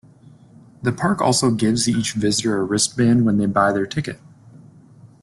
The park also gives each visitor a wristband when they buy their ticket.